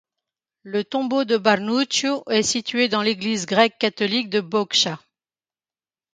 Le tombeau de Bărnuțiu est situé dans l'église grecque-catholique de Bocșa.